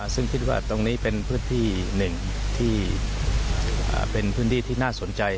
ซึ่งคิดว่าตรงนี้เป็นพื้นที่หนึ่งที่เป็นพื้นที่ที่น่าสนใจ